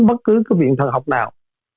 bất cứ cái viện thần học nào